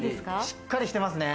しっかりしてますね。